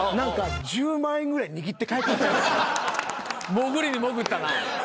潜りに潜ったな。